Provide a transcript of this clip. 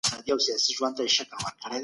خپل استعدادونه به په ښه توګه کاروئ.